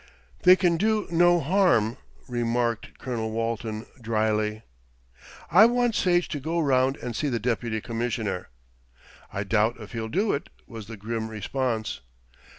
"They can do no harm," remarked Colonel Walton drily. "I want Sage to go round and see the Deputy Commissioner." "I doubt if he'll do it," was the grim response.